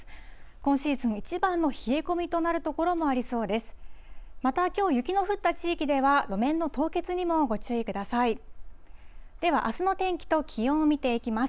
今シーズン一番の冷え込みとなる所が多そうです。